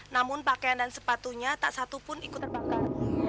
namun pakaian dan sepatunya tak satu pun ikut terbakar